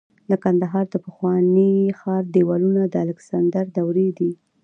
د کندهار د پخواني ښار دیوالونه د الکسندر دورې دي